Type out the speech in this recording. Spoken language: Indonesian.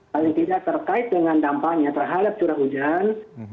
paling tidak terkait dengan dampaknya terhadap curah hujan